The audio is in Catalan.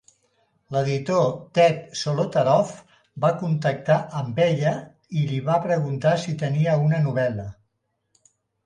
L'editor Ted Solotaroff va contactar amb ella i li va preguntar si tenia una novel·la.